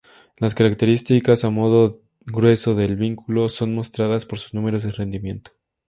Las características a modo grueso del vehículo son mostradas por sus números de rendimiento.